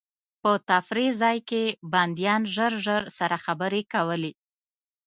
په تفریح ځای کې بندیان ژر ژر سره خبرې کولې.